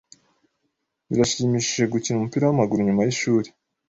Birashimishije gukina umupira wamaguru nyuma yishuri.